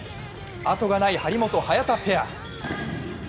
あとがない張本・早田ペア。